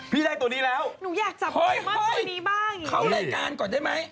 พี่ได้ตัวนี้แล้วหนูอยากจับเฮ้ยเข้ารายการก่อนได้ไหม